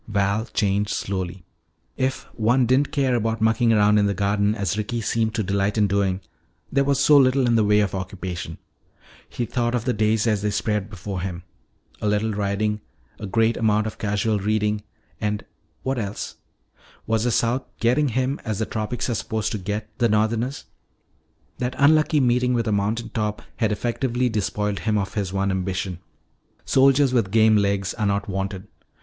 Val changed slowly. If one didn't care about mucking around in the garden, as Ricky seemed to delight in doing, there was so little in the way of occupation. He thought of the days as they spread before him. A little riding, a great amount of casual reading and what else? Was the South "getting" him as the tropics are supposed to "get" the Northerners? That unlucky meeting with a mountaintop had effectively despoiled him of his one ambition. Soldiers with game legs are not wanted.